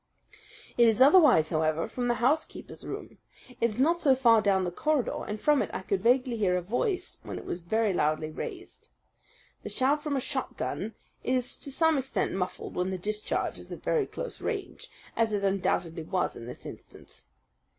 "It is otherwise, however, from the housekeeper's room. It is not so far down the corridor, and from it I could vaguely hear a voice when it was very loudly raised. The sound from a shotgun is to some extent muffled when the discharge is at very close range, as it undoubtedly was in this instance.